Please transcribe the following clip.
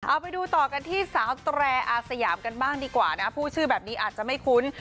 เอาไปดูต่อกันที่สาวแตรอาสยามกันบ้างดีกว่านะผู้ชื่อแบบนี้อาจจะไม่คุ้น